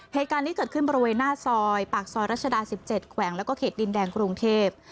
เหตุการณ์นี้เกิดขึ้นบริเวณหน้าซอยปากซอยรัชดา๑๗แขวงแล้วก็เขตดินแดงกรุงเทพ